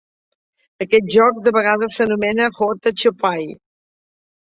Aquest joc de vegades s'anomena "joota chupai".